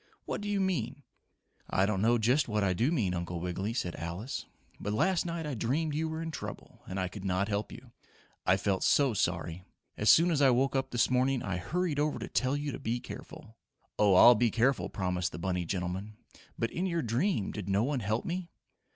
"What do you mean?" "I don't know just what I do mean, Uncle Wiggily," said Alice. "But last night I dreamed you were in trouble and I could not help you. I felt so sorry! As soon as I woke up this morning I hurried over to tell you to be careful." "Oh, I'll be careful," promised the bunny gentleman. "But in your dream did no one help me?"